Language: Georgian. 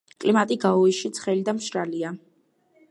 კლიმატი გაოში ცხელი და მშრალია.